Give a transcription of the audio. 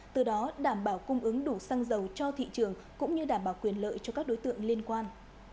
từ đó đảm bảo cung ứng đủ xăng dầu cho thị trường cũng như đảm bảo quyền lợi cho các đối tượng liên quan